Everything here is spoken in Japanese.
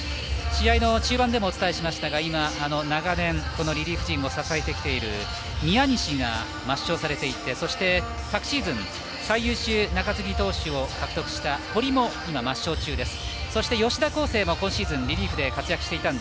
試合の中盤でもお伝えしましたが長年陣を支えてきた宮西が抹消されていてそして昨シーズン最優秀中継ぎを取りました堀も今休んでいます。